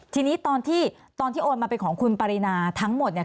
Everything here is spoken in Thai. ทีนี้ตอนที่ตอนที่โอนมาเป็นของคุณปรินาทั้งหมดเนี่ย